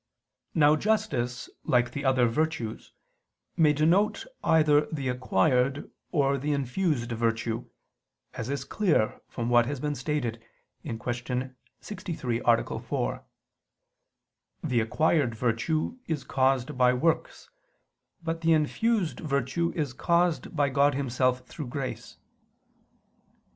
Now justice, like the other virtues, may denote either the acquired or the infused virtue, as is clear from what has been stated (Q. 63, A. 4). The acquired virtue is caused by works; but the infused virtue is caused by God Himself through His grace.